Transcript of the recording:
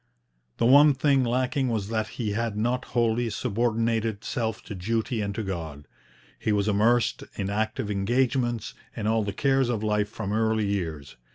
The one thing lacking was that he had not wholly subordinated self to duty and to God. He was immersed in active engagements and all the cares of life from early years.